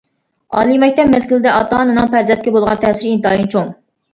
ئالىي مەكتەپ مەزگىلىدە، ئاتا-ئانىنىڭ پەرزەنتكە بولغان تەسىرى ئىنتايىن چوڭ.